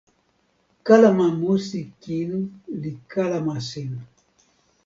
kalama musi kin li kalama sin.